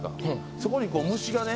そこにこう虫がね